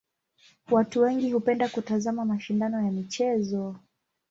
Watu wengi hupenda kutazama mashindano ya michezo.